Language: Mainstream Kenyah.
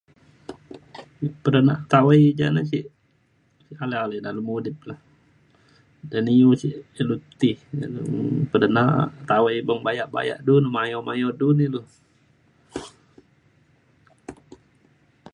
pedenak tawai ja ne sik alik alik dalem udip le jane u sik ilu ti jane pedenak tawai beng bayak bayak du mayau mayau du ne ilu.